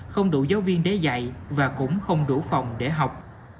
không đủ giáo viên để dạy và cũng không đủ phòng để học